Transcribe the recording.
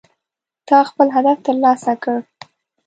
تا خپل هدف ترلاسه کړ